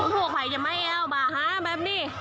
พวกใครจะไม่เอาบ่าหาแบบนี้